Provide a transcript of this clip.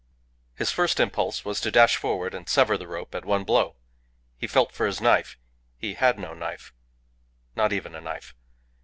His first impulse was to dash forward and sever the rope at one blow. He felt for his knife. He had no knife not even a knife.